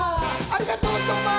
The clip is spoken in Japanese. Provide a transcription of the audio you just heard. ありがとう相馬！